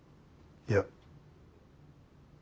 いや。